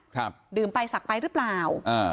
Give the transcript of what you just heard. ครับดื่มไปศักดิ์ไปหรือเปล่าอ่า